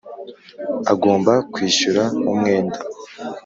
Agomba kwishyura umwenda.